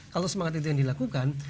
kalau semangat itu yang dilakukan